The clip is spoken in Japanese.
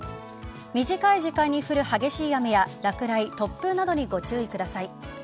短い時間に降る激しい雨や落雷、突風などにご注意ください。